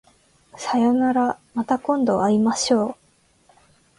さようならまた今度会いましょう